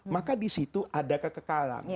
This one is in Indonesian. maka disitu ada kekekalan